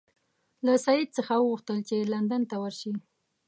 له سید څخه وغوښتل چې لندن ته ورشي.